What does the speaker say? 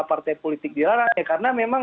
partai politik dilarang ya karena memang